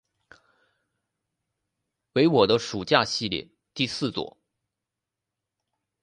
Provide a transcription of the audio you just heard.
为我的暑假系列第四作。